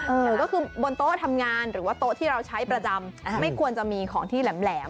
ก็คือบนโต๊ะทำงานหรือว่าโต๊ะที่เราใช้ประจำไม่ควรจะมีของที่แหลม